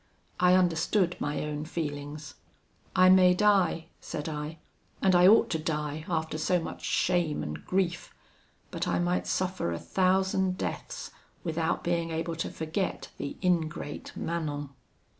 I understood my own feelings: 'I may die,' said I, 'and I ought to die after so much shame and grief; but I might suffer a thousand deaths without being able to forget the ingrate Manon.'